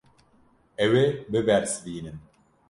Ew ê bibersivînin.